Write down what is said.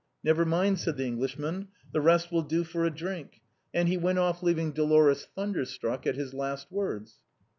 " Never mind," said the Englishman ;" the rest will do for a drink;" and he went off leaving Dolores thunder struck at his last words.